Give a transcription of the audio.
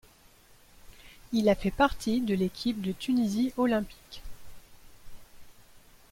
Il a fait partie de l'équipe de Tunisie olympique.